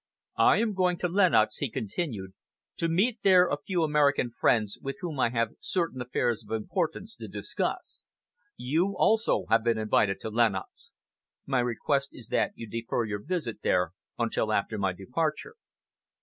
"I am going to Lenox," he continued, "to meet there a few American friends, with whom I have certain affairs of importance to discuss. You, also, have been invited to Lenox. My request is that you defer your visit there until after my departure."